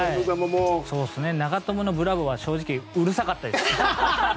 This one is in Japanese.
長友のブラボーは正直うるさかったです。